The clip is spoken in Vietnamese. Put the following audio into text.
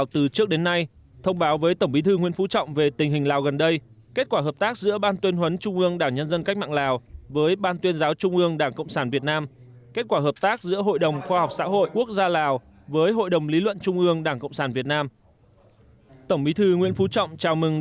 tổng bí thư nguyễn phú trọng chào mừng đồng chí kỳ kẹo khải khăm phị thun bày tỏ vui mừng